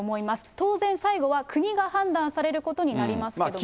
当然、最後は国が判断されることになりますけれどもと。